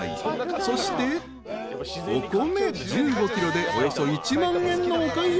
［そしてお米１５ｋｇでおよそ１万円のお買い上げ］